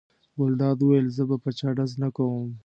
ګلداد وویل: زه په چا ډز نه کوم.